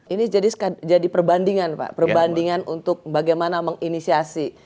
ini jadi perbandingan pak perbandingan untuk bagaimana menginisiasi